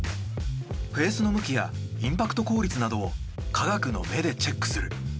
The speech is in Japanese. フェースの向きやインパクト効率などを科学の目でチェックする。